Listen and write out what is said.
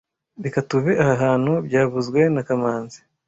Reka tuve aha hantu byavuzwe na kamanzi